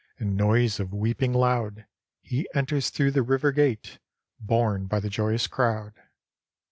And noise of weeping loud. He enters through the River Gate, Borne by the joyous crowd.